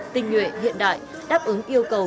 tinh nguyện hiện đại đáp ứng yêu cầu